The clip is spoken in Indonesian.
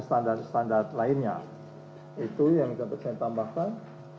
standar standar lainnya itu yang dapat saya tambahkan